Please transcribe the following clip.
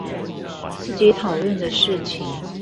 自己討論的事情